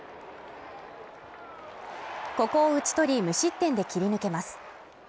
ここを打ち取り無失点で切り抜けます。